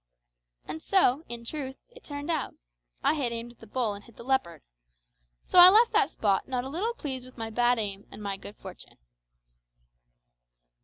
And so, in truth, it turned out. I had aimed at the bull and hit the leopard. So I left that spot not a little pleased with my bad aim and my good fortune.